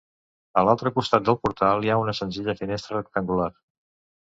A l'altre costat del portal hi ha una senzilla finestra rectangular.